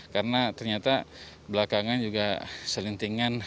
karena ternyata belakangan juga selintingan